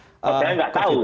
saya tidak tahu